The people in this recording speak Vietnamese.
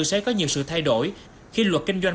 sẽ có nhiều sự thay đổi khi luật kinh doanh